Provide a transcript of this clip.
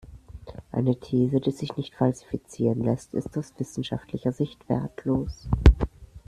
Eine These, die sich nicht falsifizieren lässt, ist aus wissenschaftlicher Sicht wertlos.